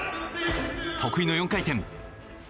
得意の４回転。